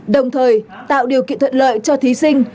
đồng thời tạo điều kiện thuận lợi cho thí sinh